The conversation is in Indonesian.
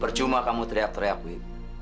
percuma kamu teriak teriak gitu